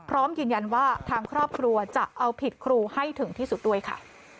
พร้อมยืนยันว่าทางครอบครัวจะเอาผิดครูให้ถึงที่สุดด้วยค่ะ